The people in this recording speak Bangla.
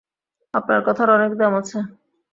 আপনার কথার অনেক দাম আছে।